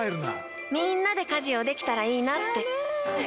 みんなで家事をできたらいいなって。